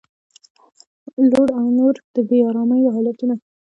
لوډ او نور د بې ارامۍ حالتونه